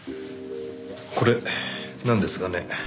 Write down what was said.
これなんですがね。